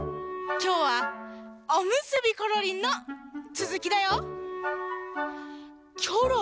きょうは「おむすびころりん」のつづきだよ。